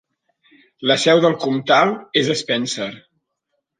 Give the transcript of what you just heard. La seu del comtal és Spencer.